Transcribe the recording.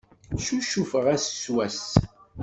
Ccucufeɣ ass s wass.